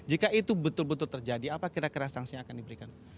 jika itu betul betul terjadi apa kira kira sanksi yang akan diberikan